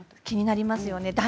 気になりますよね。